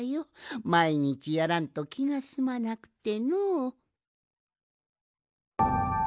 まいにちやらんときがすまなくてのう。